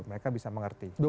mereka bisa mengerti